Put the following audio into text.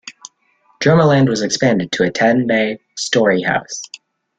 Dromoland was expanded to a ten-bay, -storey house.